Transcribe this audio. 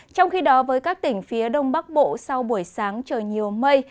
trong khi đó với các tỉnh phía đông bắc bộ sau buổi sáng trời nhiều mây